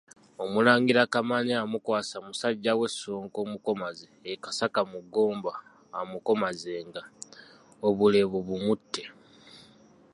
Omulangira Kamaanya yamukwasa musajja we Ssonko omukomazi e Kasaka mu Ggomba amukomazenga, obuleebo bumutte.